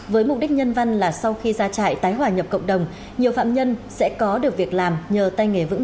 với mục đích nhân văn là sau khi ra trại tái hòa nhập cộng đồng nhiều phạm nhân sẽ có được việc làm nhờ tay nghề vững